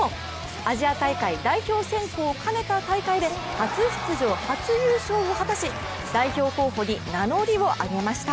アジア大会代表選考を兼ねた大会で初出場、初優勝を果たし代表候補に名乗りを挙げました。